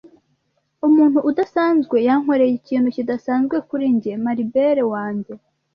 Umuntu udasanzwe yankoreye ikintu kidasanzwe kuri njye, Maribelle wanjye